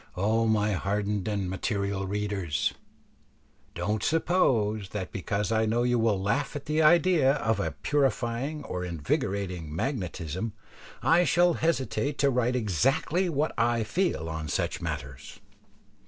O my hardened and material readers! don't suppose that because I know you will laugh at the idea of a purifying or invigorating magnetism I shall hesitate to write exactly what I feel on such matters.